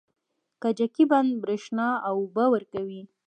کجکي بند بریښنا او اوبه ورکوي